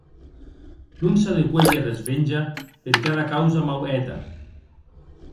Non s’a de cuélher resvenja per cada causa mau hèta.